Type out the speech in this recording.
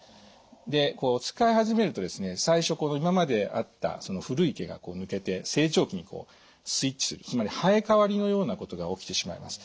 で使い始めるとですね最初今まであった古い毛が抜けて成長期にスイッチするつまり生え替わりのようなことが起きてしまいます。